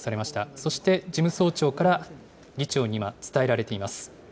そして、事務総長から議長に今、伝えられています。